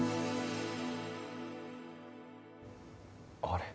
あれ？